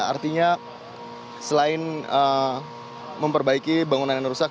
artinya selain memperbaiki bangunan yang rusak